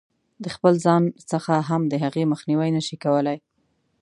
د خپل ځان څخه هم د هغې مخنیوی نه شي کولای.